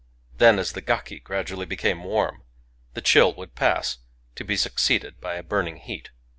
Then, as the gaki gradually became warm, the chill would pass, to be succeeded by a burning heat.